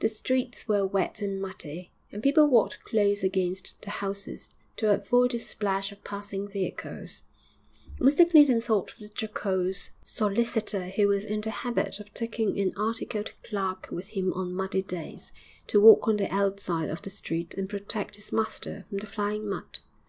The streets were wet and muddy, and people walked close against the houses to avoid the splash of passing vehicles. Mr Clinton thought of the jocose solicitor who was in the habit of taking an articled clerk with him on muddy days, to walk on the outside of the street and protect his master from the flying mud.